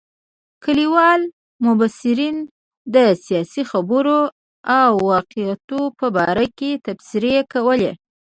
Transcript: کلیوالو مبصرینو د سیاسي خبرو او واقعاتو په باره کې تبصرې کولې.